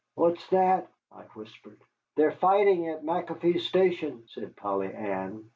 "What's that?" I whispered. "They're fighting at McAfee's Station," said Polly Ann.